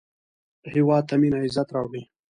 هېواد ته مینه عزت راوړي